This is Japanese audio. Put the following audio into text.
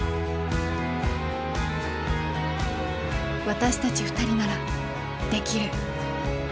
私たち２人ならできる。